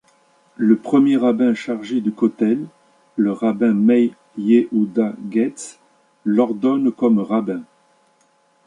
Le premier rabbin chargé du Kotel, le rabbin Meir Yehuda Getz, l'ordonne comme rabbin.